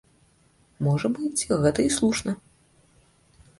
Можа быць, гэта і слушна.